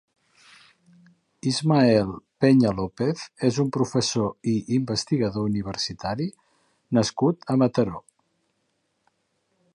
Ismael Peña-López és un professor i investigador universitari nascut a Mataró.